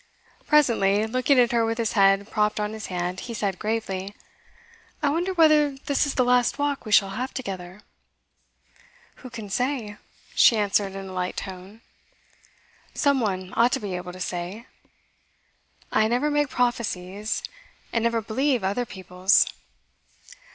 Presently, looking at her with his head propped on his hand, he said gravely: 'I wonder whether this is the last walk we shall have together?' 'Who can say?' she answered in a light tone. 'Some one ought to be able to say.' 'I never make prophecies, and never believe other people's.